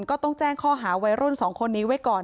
ก็ต้องแจ้งข้อหาวัยรุ่น๒คนนี้ไว้ก่อน